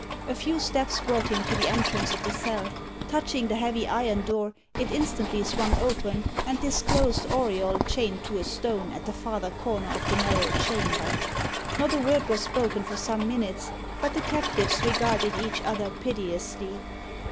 A few steps brought him to the entrance of the cell. Touching the heavy iron door, it instantly swung open, and disclosed Auriol chained to a stone at the farther corner of the narrow chamber. Not a word was spoken for some minutes, but the captives regarded each other piteously.